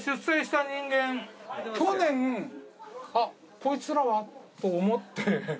去年「あっこいつらは」と思って。